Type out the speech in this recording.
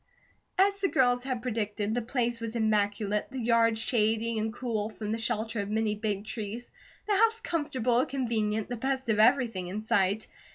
As the girls had predicted, the place was immaculate, the yard shady and cool from the shelter of many big trees, the house comfortable, convenient, the best of everything in sight.